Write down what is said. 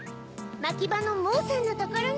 まきばのモオさんのところに。